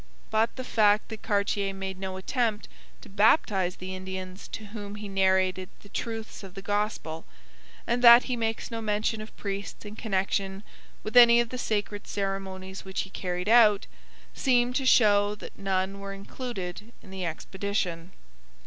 But the fact that Cartier made no attempt to baptize the Indians to whom he narrated the truths of the Gospel, and that he makes no mention of priests in connection with any of the sacred ceremonies which he carried out, seem to show that none were included in the expedition.